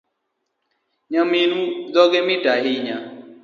Nyaminu dhoge mit ahinya